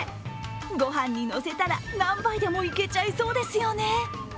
ご飯にのせたら何杯でもいけちゃいそうですよね。